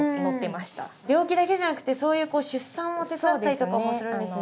病気だけじゃなくてそういうこう出産を手伝ったりとかもするんですね。